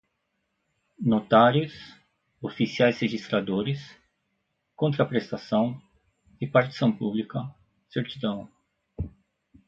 notários, oficiais registradores, contraprestação, repartição pública, certidão